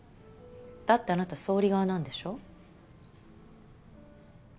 だってあなた総理側なんでしょ？